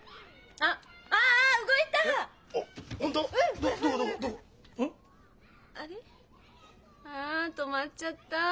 あ止まっちゃった。